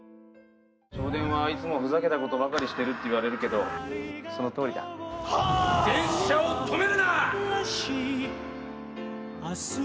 銚電はいつもふざけたことばかりしてるって言われるけど電車を止めるな！